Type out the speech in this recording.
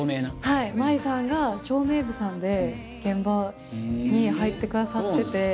はいマイさんが照明部さんで現場に入ってくださってて。